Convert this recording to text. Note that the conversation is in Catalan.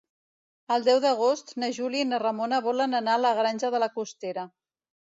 El deu d'agost na Júlia i na Ramona volen anar a la Granja de la Costera.